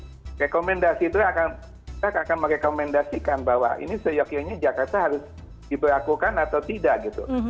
jadi rekomendasi itu akan merekomendasikan bahwa ini seyok yoknya jakarta harus diberakukan atau tidak gitu